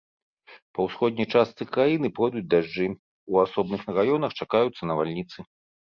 Па ўсходняй частцы краіны пройдуць дажджы, у асобных раёнах чакаюцца навальніцы.